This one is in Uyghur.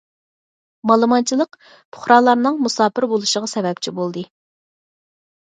مالىمانچىلىق پۇقرالارنىڭ مۇساپىر بولۇشىغا سەۋەبچى بولدى.